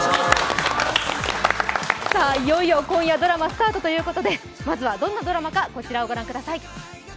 いよいよ今夜、ドラマスタートということでまずはどんなドラマか、こちらをご覧ください。